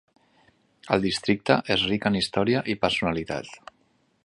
El districte és ric en història i personalitat.